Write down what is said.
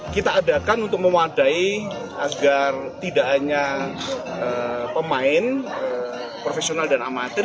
kita adakan untuk memadai agar tidak hanya pemain profesional dan amatir